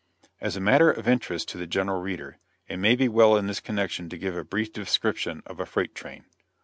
As a matter of interest to the general reader, it may be well in this connection to give a brief description of a freight train.